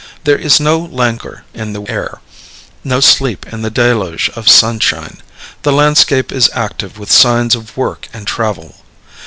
There is no languor in the air, no sleep in the deluge of sunshine; the landscape is active with signs of work and travel.